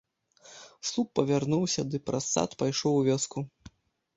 Слуп павярнуўся ды праз сад пайшоў у вёску.